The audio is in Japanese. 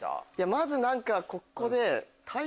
まず何かここで。